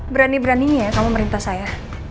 berani beraninya ya kamu merintah saya